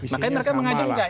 makanya mereka mengajukan